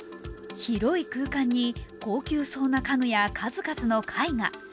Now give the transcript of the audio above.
広い空間に高級そうな家具や数々の絵画。